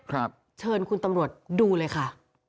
เชิญคุณตำรวจดูเลยค่ะ